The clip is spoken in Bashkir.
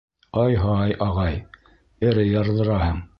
— Ай-һай, ағай, эре ярҙыраһың.